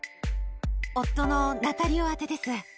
夫のナタリオ宛てです。